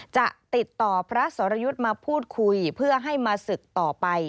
จะติดต่อพระสรยุทธ์มาพูดคุยเพื่อให้มาศึกต่อไป